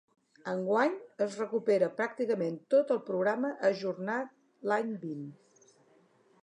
Enguany, es recupera pràcticament tot el programa ajornat l’any vint.